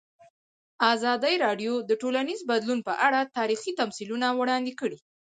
ازادي راډیو د ټولنیز بدلون په اړه تاریخي تمثیلونه وړاندې کړي.